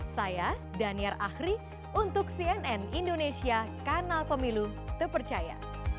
saya daniar ahri untuk cnn indonesia kanal pemilu terpercaya